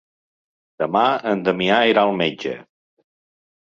Demà en Damià irà al metge.